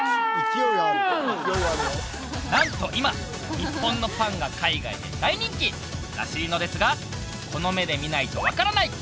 なんと今日本のパンが海外で大人気！らしいのですがこの目で見ないと分からない！